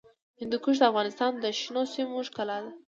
هندوکش د افغانستان د شنو سیمو ښکلا ده.